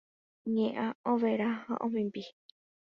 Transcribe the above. Ne ã overa ha omimbi